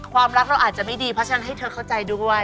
ความรักเราอาจจะไม่ดีเพราะฉะนั้นให้เธอเข้าใจด้วย